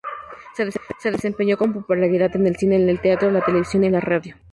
Se desempeñó con popularidad en el cine, el teatro, la televisión y la radio.